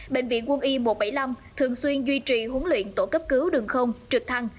bệnh viện quân y một trăm bảy mươi năm thường xuyên duy trì huấn luyện tổ cấp cứu đường không trực thăng